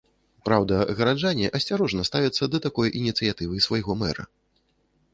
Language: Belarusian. Праўда, гараджане асцярожна ставяцца да такой ініцыятывы свайго мэра.